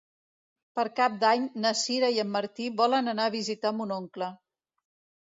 Per Cap d'Any na Sira i en Martí volen anar a visitar mon oncle.